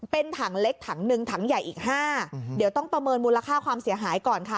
เป็นถังเล็กถังหนึ่งถังใหญ่อีกห้าเดี๋ยวต้องประเมินมูลค่าความเสียหายก่อนค่ะ